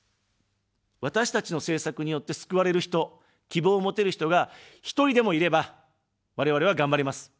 私たちの政策によって救われる人、希望を持てる人が一人でもいれば、我々はがんばれます。